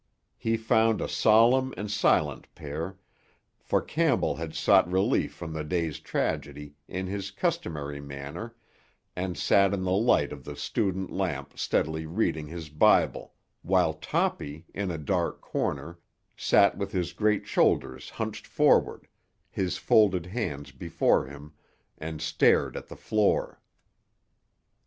He found a solemn and silent pair, for Campbell had sought relief from the day's tragedy in his customary manner and sat in the light of the student lamp steadily reading his Bible, while Toppy, in a dark corner, sat with his great shoulders hunched forward, his folded hands before him, and stared at the floor.